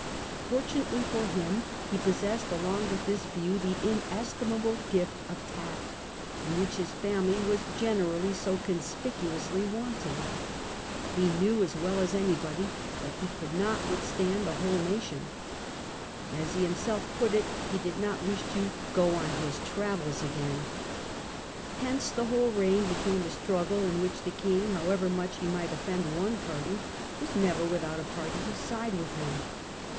Fortunately for him, he pos sessed, along with this view, the inestimable gift of tact, in which his family was generally so conspicuously want ing. He knew as well as anybody that he could not withstand the whole nation. As he himself put it, he did not wish "to go on his travels again ". Hence the whole reign became a struggle, in which the king, however much he might offend one party, was Character of never without a party to side with him.